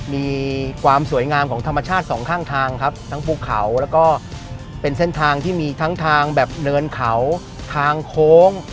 มีความสวยงามของธรรมชาติสองข้างทางครับทั้งภูเขาแล้วก็เป็นเส้นทางที่มีทั้งทางแบบเนินเขาทางโค้ง